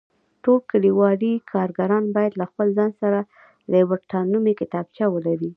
ټول کلیوالي کارګران باید له ځان سره لیبرټا نومې کتابچه ولري.